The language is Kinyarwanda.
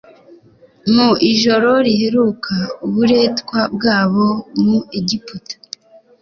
. Mu ijoro riheruka uburetwa bwabo mu Egiputa,